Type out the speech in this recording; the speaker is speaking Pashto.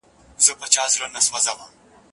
زما له انګړه جنازې در پاڅي